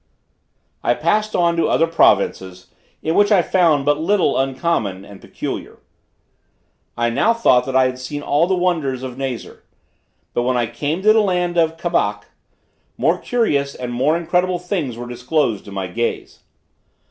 I passed on to other provinces, in which I found but little uncommon and peculiar. I now thought that I had seen all the wonders of Nazar. But when I came to the land of Cabac, more curious and more incredible things were disclosed to my gaze.